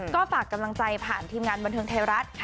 ก็ฝากกำลังใจผ่านทีมงานบันเทิงไทยรัฐ